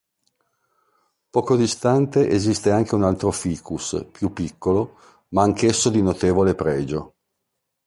Poco distante esiste anche un altro Ficus, più piccolo, ma anch'esso di notevole pregio.